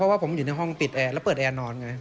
เพราะว่าผมอยู่ในห้องปิดแอร์แล้วเปิดแอร์นอนไง